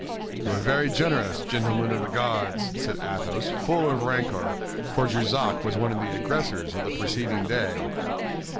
"You are very generous, gentlemen of the Guards," said Athos, full of rancor, for Jussac was one of the aggressors of the preceding day.